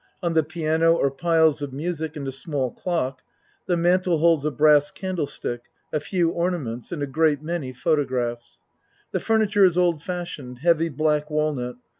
On the piano are piles of music and a small clock. The mantel holds a brass candle stick, a few orna ments and a great many photographs. The furniture is old fashioned, heavy black wal nut.